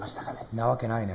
なわけないね。